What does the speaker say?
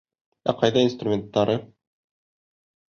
Ә ҡайҙа инструменттары?